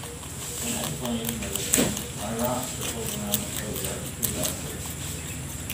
An explanation of the term "dry rot" circles around boatyards periodically.